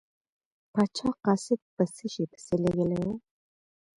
پاچا قاصد په څه شي پسې لیږلی و.